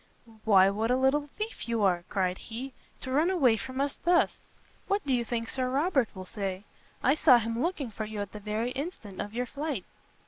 "Why what a little thief you are," cried he, "to run away from us thus! what do you think Sir Robert will say? I saw him looking for you at the very instant of your flight."